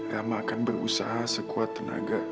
lama akan berusaha sekuat tenaga